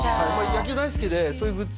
野球大好きでそういうグッズ